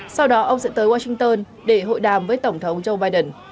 sau đó ông sẽ tới washington để hội đàm với tổng thống joe biden